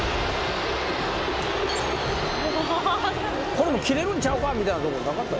これも切れるんちゃうかみたいなとこなかったですか？